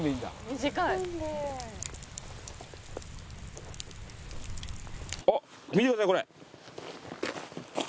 「短い」おっ見てくださいこれ。